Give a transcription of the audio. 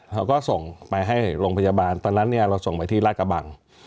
เราก็ส่งไปให้โรงพยาบาลตอนนั้นเนี่ยเราส่งไปที่ราชกระบัง